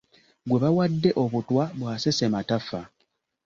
Gwe bawadde obutwa bw’asesema tafa.